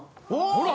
ほら！